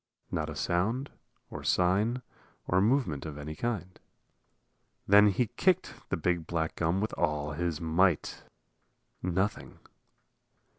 Not a sound or sign or movement of any kind. Then he kicked the big black gum with all his might. Nothing.